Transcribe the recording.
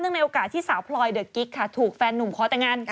ในโอกาสที่สาวพลอยเดอะกิ๊กค่ะถูกแฟนหนุ่มขอแต่งงาน